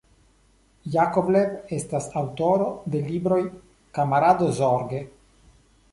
Jakovlev estas aŭtoro de libroj "Kamarado Zorge.